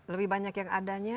lebih banyak yang adanya